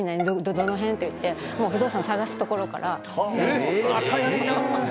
どの辺？」って言って不動産探すところから。